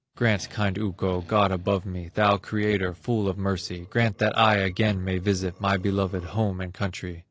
Grant, kind Ukko, God above me, Thou Creator, full of mercy, Grant that I again may visit My beloved home and country.